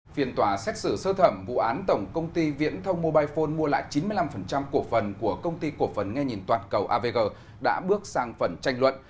phiên tòa xét xử sơ thẩm vụ án tổng công ty viễn thông mobile phone mua lại chín mươi năm cổ phần của công ty cổ phần nghe nhìn toàn cầu avg đã bước sang phần tranh luận